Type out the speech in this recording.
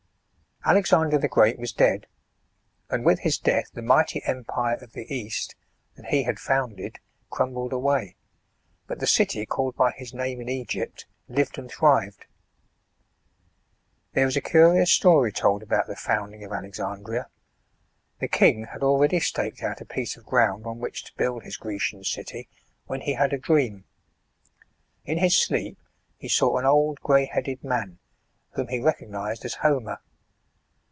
ALEXANDER THE GREAT was dead, and with his death the mighty empire of the East, that he had founded, crumbled away. But the city, called by his name in Egypt, lived and thrived. There is a curious story told aboi>t the founding of Alexandria. The king had already staked out a piece of ground on which to build his Grecian city 148 ALEXANDRIA, [B.C. 331. when he had a dream. In his sleep he saw an old grey headed man, whom he recognised as Homer.